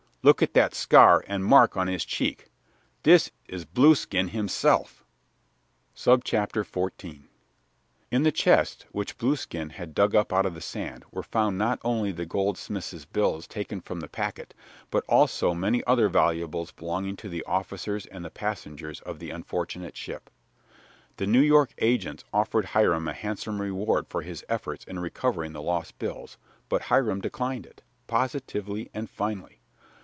Look at that scar and the mark on his cheek! This is Blueskin himself." XIV In the chest which Blueskin had dug up out of the sand were found not only the goldsmiths' bills taken from the packet, but also many other valuables belonging to the officers and the passengers of the unfortunate ship. The New York agents offered Hiram a handsome reward for his efforts in recovering the lost bills, but Hiram declined it, positively and finally.